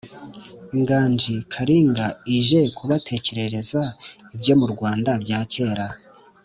inganji karinga ije kubatekerereza ibyo mu rwanda bya cyera